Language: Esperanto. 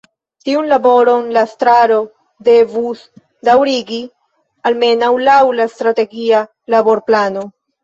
Tiun laboron la estraro devus daŭrigi, almenaŭ laŭ la Strategia Laborplano.